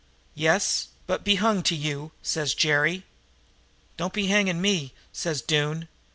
"'Yes, but be hung to you!' says Jerry. "Don't be hanging me,' says Doone.